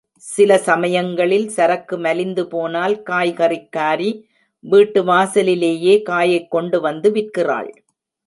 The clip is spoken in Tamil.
சில சமயங்களில் சரக்கு மலிந்து போனால் காய் கறிக்காரி வீட்டு வாசலிலேயே காயைக் கொண்டு வந்து விற்கிறாள்.